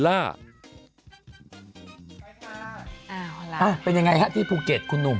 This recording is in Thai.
อ้าวเป็นยังไงครับที่ภูเก็ตคุณหนุ่ม